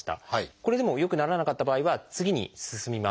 これでも良くならなかった場合は次に進みます。